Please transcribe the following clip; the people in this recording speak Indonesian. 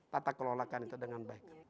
tata kelola kan itu dengan baik